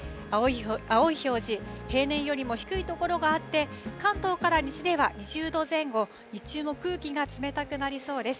青い表示、平年よりも低い所があって、関東から西では２０度前後、日中も空気が冷たくなりそうです。